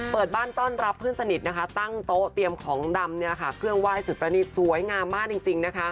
เปิดบ้านต้อนรับพึ่นสนิทตั้งโต๊ะเตรียมของดำเบื้องไหว้สุดประณีรสวยงามมากจริง